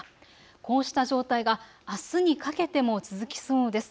こうした状態があすにかけても続きそうです。